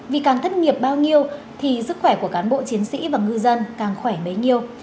vì càng thất nghiệp bao nhiêu thì sức khỏe của cán bộ chiến sĩ và ngư dân càng khỏe bấy nhiêu